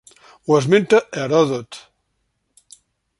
Ho esmenta Heròdot.